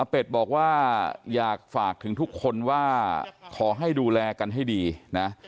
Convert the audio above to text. เป็ดบอกว่าอยากฝากถึงทุกคนว่าขอให้ดูแลกันให้ดีนะ